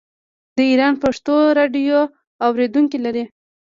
د ایران پښتو راډیو اوریدونکي لري.